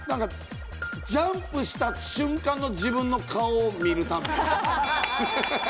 ジャンプした瞬間の自分の顔を見るため。